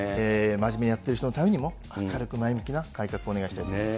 真面目にやっている人のためにも、明るく前向きな改革をお願いしたいと思います。